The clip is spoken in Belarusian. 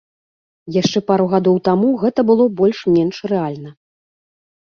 Яшчэ пару гадоў таму гэта было больш-менш рэальна.